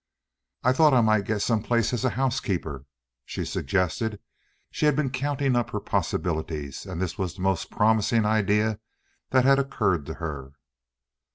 "I thought I might get some place as a housekeeper," she suggested. She had been counting up her possibilities, and this was the most promising idea that had occurred to her.